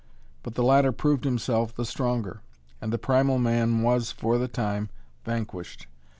But the latter proved himself the stronger, and the primal man was, for the time, vanquished.